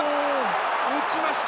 浮きました。